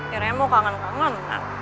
ya remoh kangen kangen